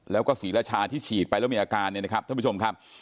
แล้วก็ศรีราชาที่ฉีดไปแล้วมีอาการเนี่ยนะครับท่านผู้ชมครับ